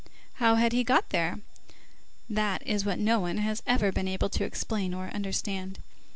How had he got there? That is what no one has ever been able to explain or understand.